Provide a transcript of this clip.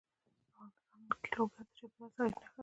افغانستان کې لوگر د چاپېریال د تغیر نښه ده.